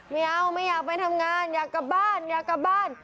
ไม่เอาไม่อยากไปทำงานอยากกลับบ้าน